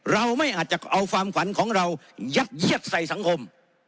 เราไม่อาจจะเอาความขวัญของเรายัดเยียดใส่สังคม